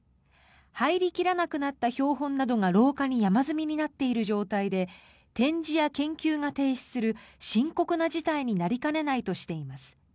入り切らなくなった標本などが廊下に山積みになっている状態で展示や研究が停止する深刻な事態になりかねないとしています。